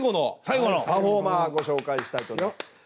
最後のパフォーマーご紹介したいと思います。